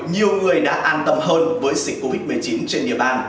nhiều người đã an tâm hơn với dịch covid một mươi chín trên địa bàn